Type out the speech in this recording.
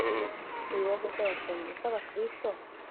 Ibibazo by abasomyi Ese Abakristo